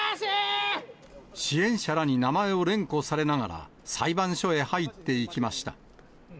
支援者らに名前を連呼されながら、裁判所へ入っていきました。